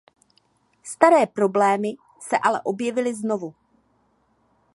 Staré problémy se ale objevily znovu.